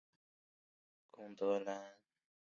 贡德兰。